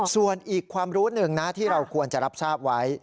ส่วนอีกความรู้หนึ่งนะที่เราควรจะรับทราบไว้